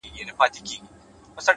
علم د ناپوهۍ زنجیر ماتوي؛